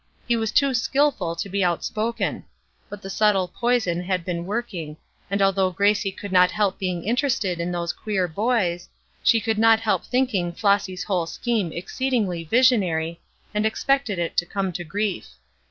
He was too skillful to be outspoken; but the subtle poison had been working, and although Gracie could not help being interested in those queer boys, she could not help thinking Flossy's whole scheme exceedingly visionary, and expected it to come to grief.